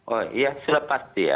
oh iya sudah pasti ya